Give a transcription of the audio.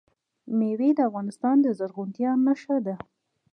مېوې د افغانستان د زرغونتیا نښه ده.